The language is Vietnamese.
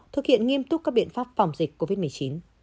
thực hiện nghiêm túc các biện pháp phòng dịch covid một mươi chín